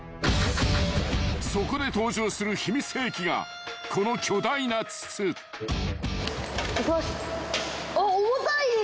［そこで登場する秘密兵器がこの巨大な筒］いきます。